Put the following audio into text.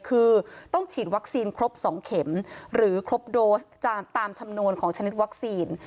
คือต้องฉีดวัคซีนครบ๒เข็มหรือครบโดสตามจำนวนของชนิดวัคซีน